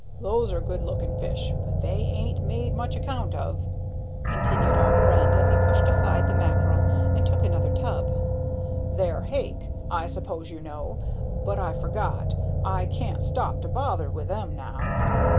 "Those are good looking fish, but they an't made much account of," continued our friend, as he pushed aside the mackerel and took another tub. "They're hake, I s'pose you know. But I forgot, I can't stop to bother with them now."